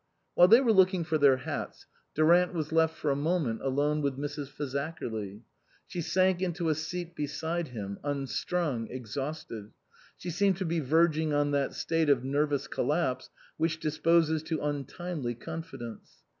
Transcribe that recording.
While they were looking for their hats, Durant was left for a moment alone with Mrs. Fazakerly. She sank into a seat beside him, unstrung, exhausted ; she seemed to be verging on that state of nervous collapse which disposes to untimely confidence.